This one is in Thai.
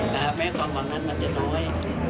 แม้ความหวังนั้นมันจะน้อย